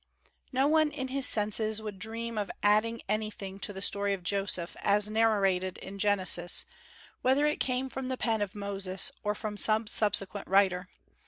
No one in his senses would dream of adding anything to the story of Joseph, as narrated in Genesis, whether it came from the pen of Moses or from some subsequent writer.